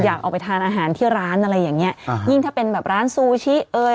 อยากออกไปทานอาหารที่ร้านอะไรอย่างเงี้ยิ่งถ้าเป็นแบบร้านซูชิเอย